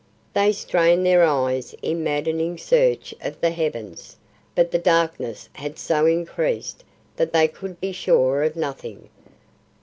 They strained their eyes in a maddening search of the heavens. But the darkness had so increased that they could be sure of nothing.